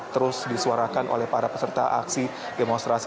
terus disuarakan oleh para peserta aksi demonstrasi